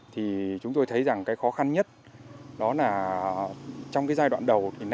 thì chúng tôi thấy rằng cái khó khăn nhất đó là trong cái giai đoạn đầu